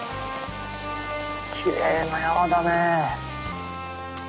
きれいな山だね。